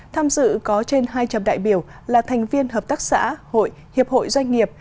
tham dự có trên hai trăm linh đại biểu là thành viên hợp tác xã hội hiệp hội doanh nghiệp